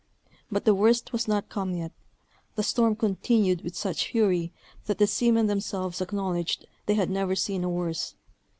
But the worst was not come yet; the storm continued with such fury, that the seamen themselves acknowledged they had never seen a worse.